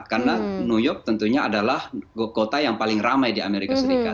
karena new york tentunya adalah kota yang paling ramai di amerika serikat